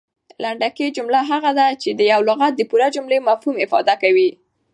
لنډکۍ جمله هغه ده، چي یو لغت د پوره جملې مفهوم افاده کوي.